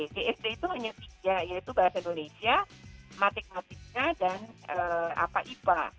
gsd itu hanya tiga yaitu bahasa indonesia matik matiknya dan ipa